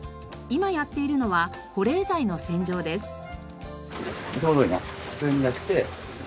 今やっているのは保冷剤の洗浄です。